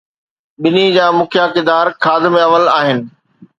ٻنهي جا مکيه ڪردار خادم اول آهن.